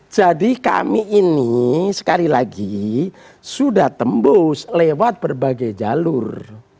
jadi kami ini sekali lagi sudah tembus lewat berbagai jalur